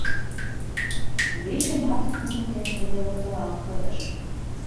— Гришемат нунын дене тыге локтылалт пытыш...